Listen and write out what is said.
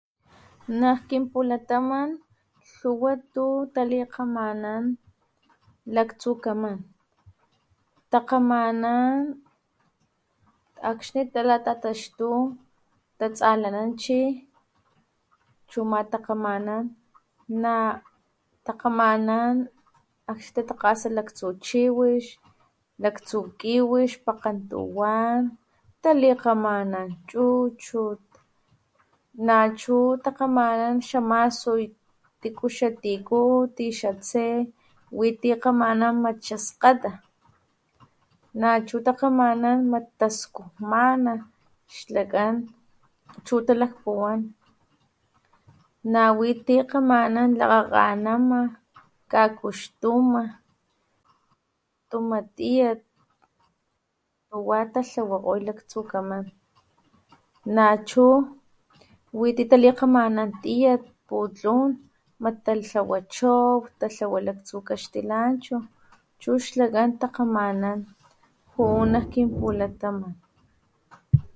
Nak kinpulataman lhuwa tu talikgamanan laktsukaman takgamanan akxni talatataxtu tsalanan chi, chu ama takgamanan natakgamanan akxni tatakgasa laktsu chiwix, laktsu kiwi xpakgen tuwan, talikgaman chuchut, nachu talikgamanan xamasuy tiku xatiku tiku xatse witi kgamanan mat xaskgata, nachu takgamanan mat taskujmana xlakan chu talakpuwan, na wi ti kgamanan lakgakgamana, kakuxtuma, makutuma tiyat katuwa talhawakgoy laktsukaman nachu witi talikgamanan tiyat, putlun, tatlaway chow, tatlawa laktsu laxtilanchu chu xlakan takgamanan juu nakkinpulataman